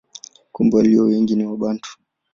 Kumbe walio wengi ni Wabantu.